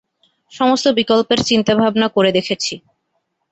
সমস্ত বিকল্পের চিন্তাভাবনা করে দেখেছি।